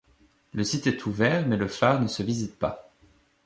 Le site est ouvert mais le phare ne se visite pas.